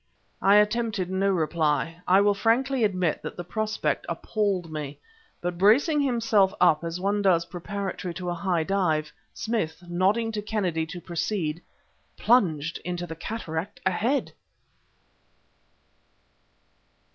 I attempted no reply. I will frankly admit that the prospect appalled me. But, bracing himself up as one does preparatory to a high dive, Smith, nodding to Kennedy to proceed, plunged into the cataract ahead....